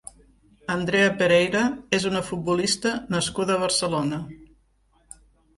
Andrea Pereira és una futbolista nascuda a Barcelona.